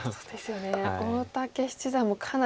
大竹七段もかなり。